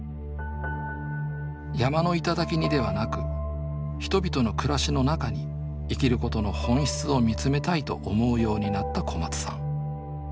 山の頂にではなく人々の暮らしの中に生きることの本質をみつめたいと思うようになった小松さん。